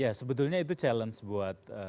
ya sebetulnya itu challenge buat